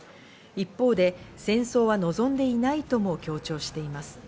一方で戦争を望んでいないとも強調しています。